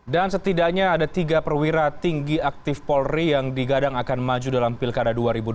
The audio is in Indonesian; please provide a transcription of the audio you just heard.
dan setidaknya ada tiga perwira tinggi aktif polri yang digadang akan maju dalam pilkada dua ribu dua puluh